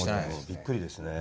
びっくりですね